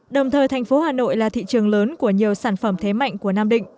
đồng thời thành phố hà nội là thị trường lớn của nhiều sản phẩm thế mạnh của nam định